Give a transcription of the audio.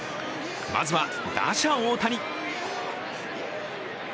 まずは打者・大谷。